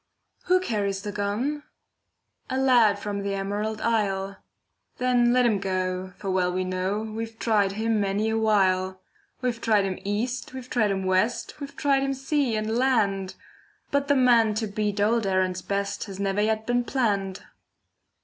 Who carries the gun? A lad from the Emerald Isle. Then let him go, for well we know, We've tried him many a while. We've tried him east, we've tried him west, We've tried him sea and land, But the man to beat old Erin's best Has never yet been planned.